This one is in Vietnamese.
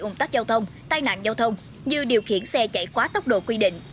ủng tắc giao thông tai nạn giao thông như điều khiển xe chạy quá tốc độ quy định